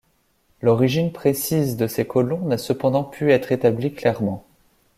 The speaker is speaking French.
L'origine précise de ces colons n'a cependant pu être établie clairement.